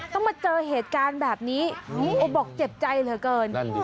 ต้องมาเจอเหตุการณ์แบบนี้โอ้บอกเจ็บใจเหลือเกิน